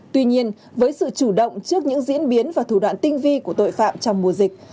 tuy nhiên với sự chủ động trước những diễn biến và thủ đoạn tinh vi của tội phạm trong mùa dịch